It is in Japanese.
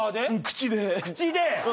口で。